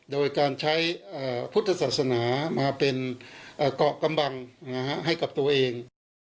โดยการใช้พุทธศาสนามาเป็นเกาะกำบังให้กับตัวเอง